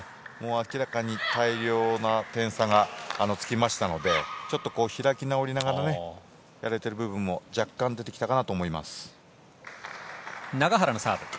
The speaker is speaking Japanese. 明らかに大量の点差がつきましたのでちょっと開き直りながらやれている部分も若干、出てきたかなと思います。